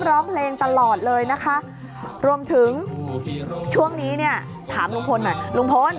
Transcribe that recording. ร้องเพลงตลอดเลยนะคะรวมถึงช่วงนี้เนี่ยถามลุงพลหน่อยลุงพล